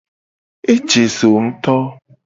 Eje zo ngto.